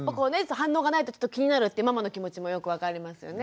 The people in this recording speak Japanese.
反応がないとちょっと気になるってママの気持ちもよく分かりますよね。